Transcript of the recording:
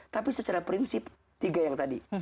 tapi secara prinsip tiga yang tadi